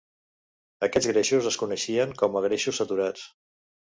Aquests greixos es coneixen com a greixos saturats.